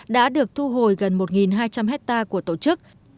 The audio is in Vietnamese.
đã được thu hồi gần một hai trăm linh hectare của tổ chức